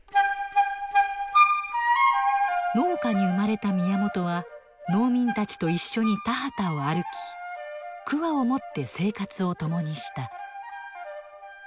農家に生まれた宮本は農民たちと一緒に田畑を歩きくわを持って生活を共にした。